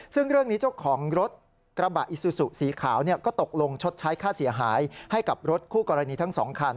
ซึ่งเรื่องนี้เจ้าของรถกระบะอิซูซูสีขาวก็ตกลงชดใช้ค่าเสียหายให้กับรถคู่กรณีทั้งสองคัน